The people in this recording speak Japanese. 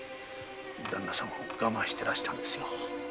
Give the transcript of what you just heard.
旦那様も我慢してらしたんですよ。